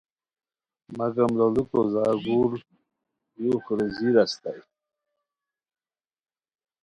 مگم لوڑیکو زارگل بوخلیزیر اسیتائے